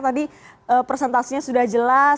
tadi presentasinya sudah jelas